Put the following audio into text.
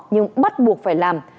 nhưng bắt buộc phải làm